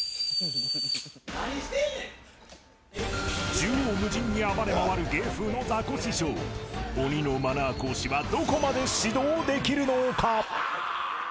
縦横無尽に暴れ回る芸風のザコシショウ鬼のマナー講師はどこまで指導できるのか？